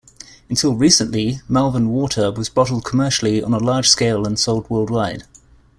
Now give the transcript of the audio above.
Until recently, Malvern water was bottled commercially on a large scale and sold worldwide.